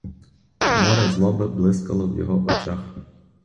Море злоби блискало в його очах.